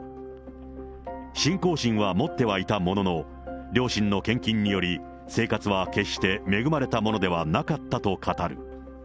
信仰心は持ってはいたものの、両親の献金により、生活は決して恵まれたものではなかったと語る。